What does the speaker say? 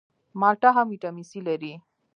مالټه هم ویټامین سي لري